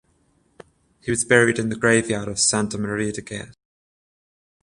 He was buried in the graveyard of Santa Maria de Guess.